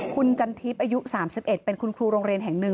คุณจันทิพย์อายุ๓๑เป็นคุณครูโรงเรียนแห่งหนึ่ง